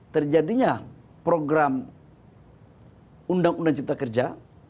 terjadinya program undang undang cipta kerja